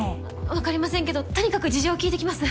わかりませんけどとにかく事情を聞いてきます。